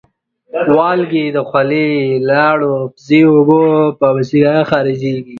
والګی د خولې د لاړو او پزې اوبو په وسیله خارجېږي.